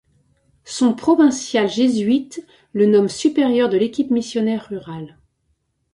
Son provincial jésuite le nomme supérieur de l'équipe missionnaire rurale.